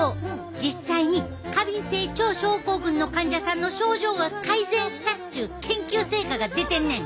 実際に過敏性腸症候群の患者さんの症状が改善したっちゅう研究成果が出てんねん！